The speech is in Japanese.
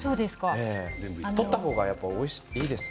取った方がいいですか？